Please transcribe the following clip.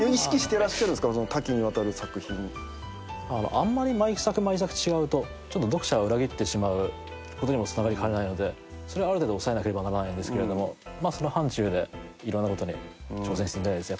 あんまり毎作毎作違うと読者を裏切ってしまうことにもつながりかねないのでそれはある程度押さえなければならないんですけれどもまあその範ちゅうでいろんなことに挑戦してみたいです